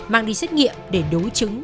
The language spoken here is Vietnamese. mang đi xét nghiệm để đối chứng